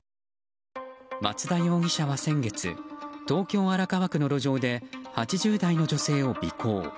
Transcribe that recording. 松田容疑者は先月東京・荒川区の路上で８０代の女性を尾行。